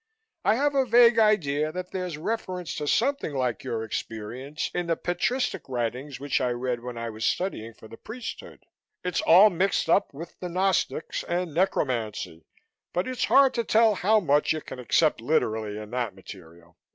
I have a vague idea that there's reference to something like your experience in the Patristic writings which I read when I was studying for the priesthood. It's all mixed up with the Gnostics and necromancy but it's hard to tell how much you can accept literally in that material.